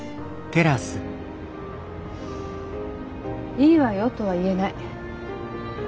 「いいわよ」とは言えない。